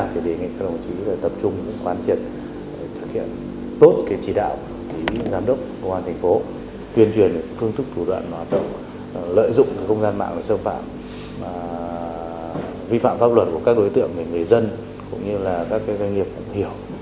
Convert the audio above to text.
để các đồng chí tập trung quan triển thực hiện tốt chỉ đạo thì giám đốc công an thành phố tuyên truyền phương thức thủ đoạn hoạt động lợi dụng công gian mạng để xâm phạm vi phạm pháp luật của các đối tượng người dân các doanh nghiệp cũng hiểu